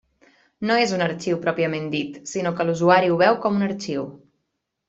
No és un arxiu pròpiament dit, sinó que l'usuari ho veu com un arxiu.